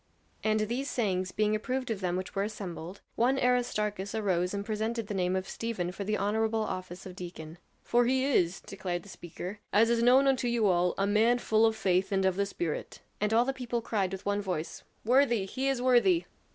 And these sayings being approved of them which were assembled, one Aristarchus arose and presented the name of Stephen for the honorable office of deacon. "For he is," declared the speaker, "as is known unto you all, a man full of faith and of the Spirit." And all the people cried with one voice: "Worthy! He is worthy!"